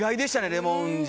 レモン汁。